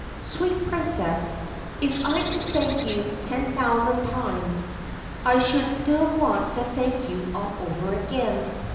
4 Sweet Princess, if I could thank you ten thousand times I should still want to thank you all over again.